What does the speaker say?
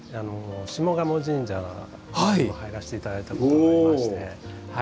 下鴨神社にも入らせていただいたこともありまして。